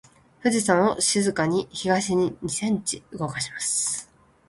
富士山を静かに東に二センチ動かします。